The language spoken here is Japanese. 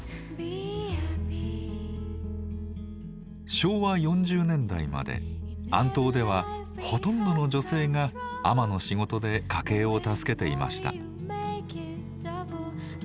昭和４０年代まで安島ではほとんどの女性が海女の仕事で家計を助けていました。